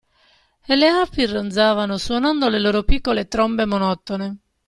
E le api ronzavano suonando le loro piccole trombe monotone.